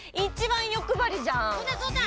そうだそうだ！